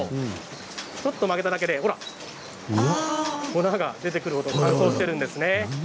ちょっと曲げただけで、ほら粉が出てくるほど乾燥しているんですね。